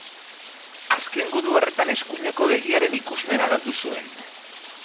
Azken gudu horretan eskuineko begiaren ikusmena galdu zuen.